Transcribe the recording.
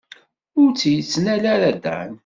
Ur tt-yettnal ara Dan.